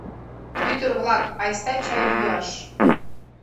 — Ӱдыр-влак, айста чай йӱаш.